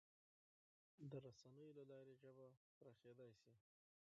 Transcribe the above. د رسنیو له لارې ژبه پراخېدای سي.